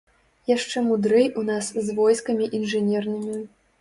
Яшчэ мудрэй у нас з войскамі інжынернымі.